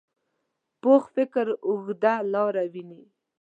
پوخ فکر اوږده لاره ویني